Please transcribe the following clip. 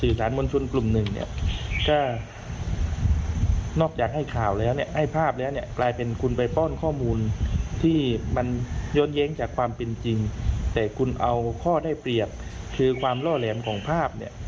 เอาข้อได้เปรียบคือความล่อแหลมของภาพ